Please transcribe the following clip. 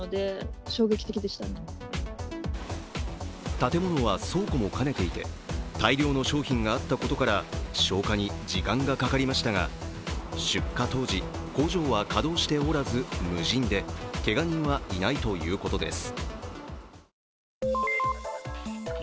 建物は倉庫も兼ねていて大量の商品があったことから消火に時間がかかりましたが出火当時、工場は稼働しておらず無人でけが人はいないということです。